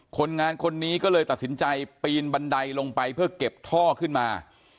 คนงานคนนี้ก็เลยตัดสินใจปีนบันไดลงไปเพื่อเก็บท่อขึ้นมา